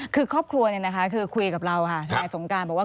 คือครอบครัวคือคุยกับเราค่ะทนายสงการบอกว่า